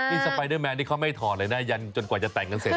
นี่สไปเดอร์แมนที่เขาไม่ถ่อเลยหน้ายันจนจะแต่งนั้นเสร็จอ๋อ